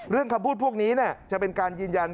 คำพูดพวกนี้จะเป็นการยืนยัน